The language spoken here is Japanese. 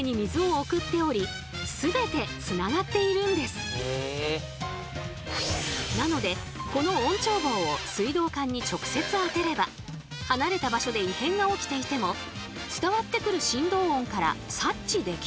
そうそもそも水道はなのでこの音聴棒を水道管に直接あてれば離れた場所で異変が起きていても伝わってくる振動音から察知できるんだとか。